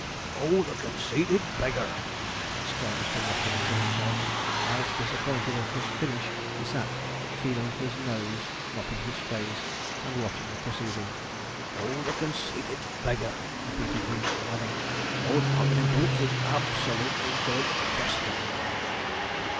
'Oh, the conceited beggar!' exclaimed Mr. Watchorn to himself, as, disappointed of his finish, he sat feeling his nose, mopping his face, and watching the proceedings. 'Oh, the conceited beggar!' repeated he, adding, 'old 'hogany bouts is _ab_solutely a goin' to kest them.'